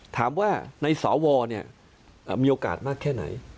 ถามว่าในสวมีโอกาสมากแค่ไหน